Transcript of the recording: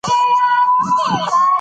اما ویلي چې فایبر مهم دی.